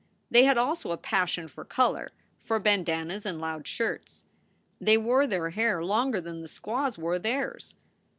They had also a passion for color, for bandannas and loud shirts. They wore their hair longer than the squaws wore theirs.